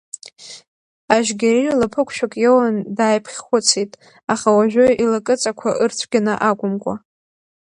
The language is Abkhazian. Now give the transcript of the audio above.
Ажьгьери лаԥықәшәак иоун, дааиԥхьхәыцит, аха уажәы илакыҵақәа ырцәгьаны акәымкәа…